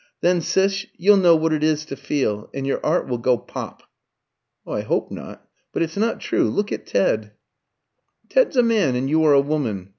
Then, Sis, you'll know what it is to feel, and your art will go pop." "Oh, I hope not. But it's not true; look at Ted." "Ted's a man, and you are a woman.